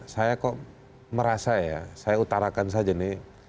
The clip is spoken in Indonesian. saya kok merasa ya saya utarakan saja nih